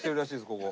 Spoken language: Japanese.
ここ。